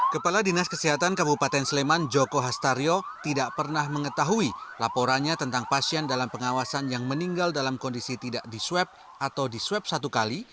kepala dinas kesehatan kabupaten sleman joko hastario tidak pernah mengetahui laporannya tentang pasien dalam pengawasan yang meninggal dalam kondisi tidak disweb atau disweb satu kali